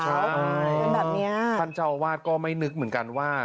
ใช่แบบนี้ท่านเจ้าอาวาสก็ไม่นึกเหมือนกันว่า